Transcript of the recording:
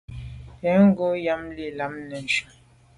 Yen ngub nyàm li lam neshu.